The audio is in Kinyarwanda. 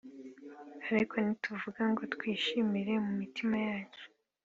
Ariko ni tuvuga ngo twishimire mu mitima yacu